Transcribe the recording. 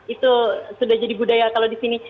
itu sudah jadi budaya kalau di sini